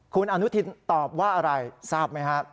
คุณอนุทินตอบว่าอะไรทราบไหมครับ